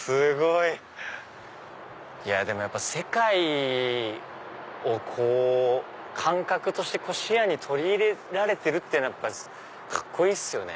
いやでもやっぱ世界を感覚として視野に取り入れられてるのがカッコいいっすよね。